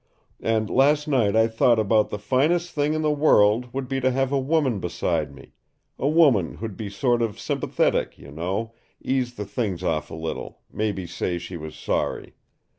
And last night I thought about the finest thing in the world would be to have a woman beside me, a woman who'd be sort of sympathetic, you know, ease the thing off a little, maybe say she was sorry.